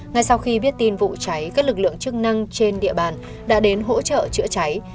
ngay sau khi biết tin vụ cháy các lực lượng chức năng trên địa bàn đã đến hỗ trợ chữa cháy